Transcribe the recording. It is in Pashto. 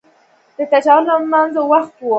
د تهجد لمانځه وخت وو.